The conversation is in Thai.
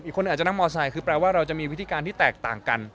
คนอาจจะนั่งมอไซค์คือแปลว่าเราจะมีวิธีการที่แตกต่างกัน